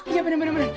iya bener bener